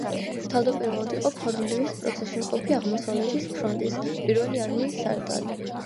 თავდაპირველად იყო ფორმირების პროცესში მყოფი აღმოსავლეთის ფრონტის პირველი არმიის სარდალი.